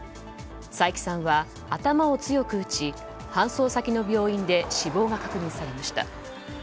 佐伯さんは頭を強く打ち搬送先の病院で死亡が確認されました。